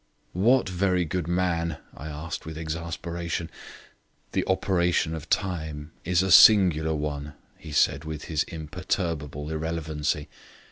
"What very good man?" I asked with exasperation. "The operation of time is a singular one," he said with his imperturbable irrelevancy.